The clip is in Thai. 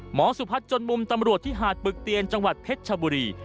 สุพัฒน์จนมุมตำรวจที่หาดปึกเตียนจังหวัดเพชรชบุรี